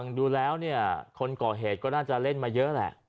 ดูแล้วเนี่ยคนก่อเหตุก็น่าจะเล่นมาเยอะแหละ